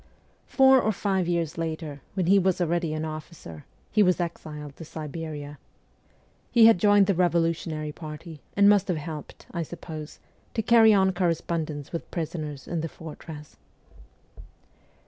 Four or five years later, when he was already an officer, he was exiled to Siberia. He had joined the revolutionary party, and must have helped, I suppose, to carry on correspondence with prisoners in the fortress.